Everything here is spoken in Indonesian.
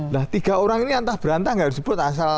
nah tiga orang ini antah berantah enggak disebut